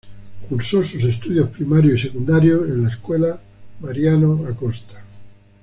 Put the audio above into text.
Cursó sus estudios primarios y secundarios en la Escuela Mariano Acosta.